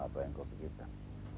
apa yang kau pikirkan